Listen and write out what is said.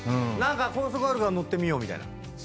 高速あるから乗ってみようみたいな。